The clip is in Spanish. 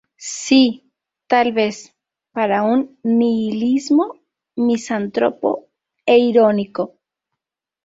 Sí, tal vez, para un nihilismo misántropo e irónico.